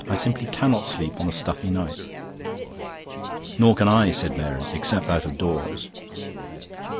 "I simply cannot sleep on a stuffy night." "Nor can I," said Mary, "except out of doors."